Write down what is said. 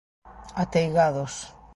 Ateigados.